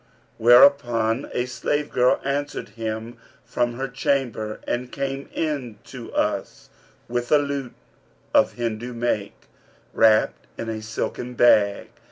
Whereupon a slave girl answered him from her chamber and came in to us, with a lute of Hindu make, wrapped in a silken bag.